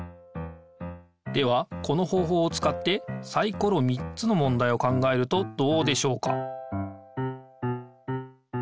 ではこの方ほうをつかってサイコロ３つのもんだいを考えるとどうでしょうか？